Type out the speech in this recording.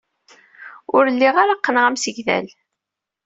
Ur lliɣ ara qqneɣ amsegdal.